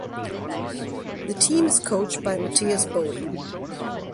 The team is coached by Mathias Boe.